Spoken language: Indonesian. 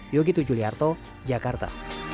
yogi tujuliarto jakarta